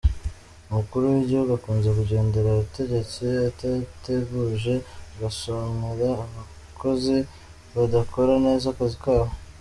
Umukuru w'igihugu akunze kugendera abategetsi atateguje, agasomera abakozi badakora neza akazi kabo.